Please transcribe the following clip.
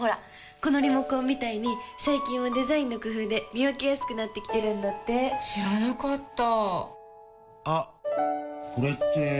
このリモコンみたいに最近はデザインの工夫で見分けやすくなってきてるんだって知らなかったあっ、これって・・・